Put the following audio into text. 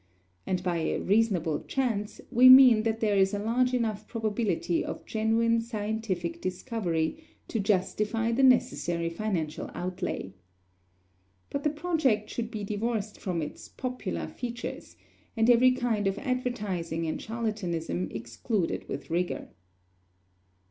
And by a reasonable chance, we mean that there is a large enough probability of genuine scientific discovery to justify the necessary financial outlay. But the project should be divorced from its "popular" features, and every kind of advertising and charlatanism excluded with rigor.